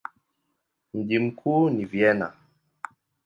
Mji mkuu ni Vienna.